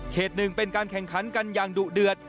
หนึ่งเป็นการแข่งขันกันอย่างดุเดือด